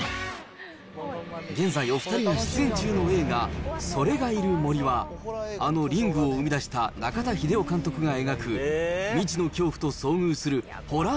現在、お２人が出演中の映画、それがいる森は、あのリングを生み出した中田秀夫監督が未知の恐怖と遭遇するホラ